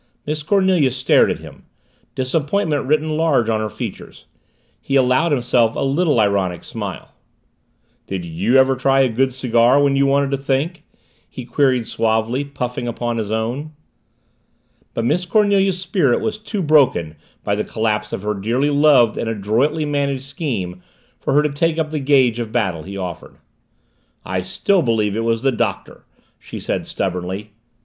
Miss Cornelia stared at him disappointment written large on her features. He allowed himself a little ironic smile. "Did you ever try a good cigar when you wanted to think?" he queried suavely, puffing upon his own. But Miss Cornelia's spirit was too broken by the collapse of her dearly loved and adroitly managed scheme for her to take up the gauge of battle he offered. "I still believe it was the Doctor," she said stubbornly.